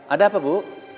ada apa bu